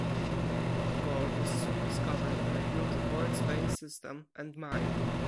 Gold was soon discovered in a huge quartz vein system, and mined.